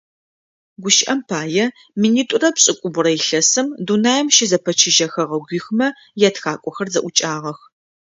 Гущыӏэм пае, минитӏурэ пшӏыкӏубгъурэ илъэсым дунаим щызэпэчыжьэ хэгъэгуихмэ ятхакӏохэр зэӏукӏагъэх.